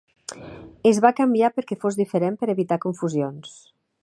Es va canviar perquè fos diferent per evitar confusions.